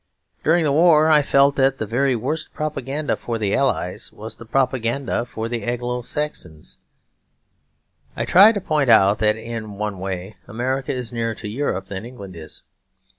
During the war I felt that the very worst propaganda for the Allies was the propaganda for the Anglo Saxons. I tried to point out that in one way America is nearer to Europe than England is.